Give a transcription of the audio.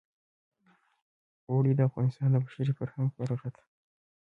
اوړي د افغانستان د بشري فرهنګ برخه ده.